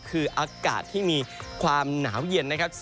คืออากาศที่มีความหนาวเย็นนะครับ